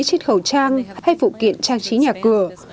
trên khẩu trang hay phụ kiện trang trí nhà cửa